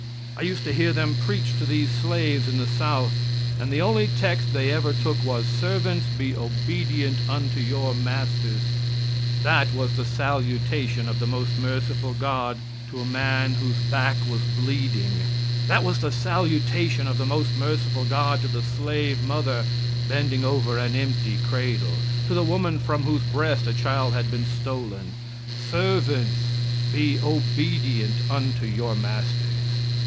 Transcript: I used to hear them preach to these slaves in the South and the only text they ever took was "Servants, be obedient unto your masters." That was the salutation of the most merciful God to a man whose back was bleeding, that was the salutation of the most merciful God to the slave mother bending over an empty cradle, to the woman from whose breast a child had been stolen "Servants, be obedient unto you masters."